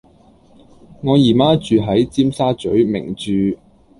我姨媽住喺尖沙嘴名鑄